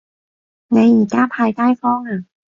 你而家派街坊呀